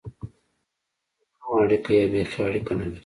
د سترګو کمه اړیکه یا بېخي اړیکه نه لري.